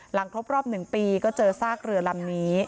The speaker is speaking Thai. ครบรอบ๑ปีก็เจอซากเรือลำนี้